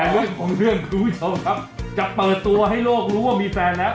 แต่เรื่องของเรื่องคือว่าจะเปิดตัวให้โลกรู้ว่ามีแฟนแล้ว